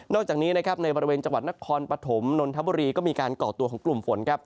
นอกจากนี้ในบริเวณจังหวัดนครปฐมนนทบุรีก็มีการก่อตัวของกลุ่มฝน